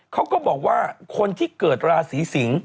เขาก็บอกว่าคนที่เกิดราศีสิงศ์